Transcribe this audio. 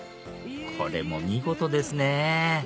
これも見事ですね！